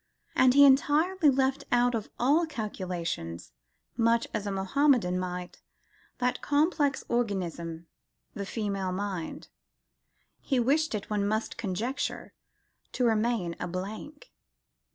And he entirely left out of all calculations, much as a Mahommedan might, that complex organism the female mind. He wished it, one must conjecture, to remain a blank.